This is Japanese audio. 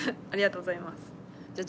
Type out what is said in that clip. ありがとうございます。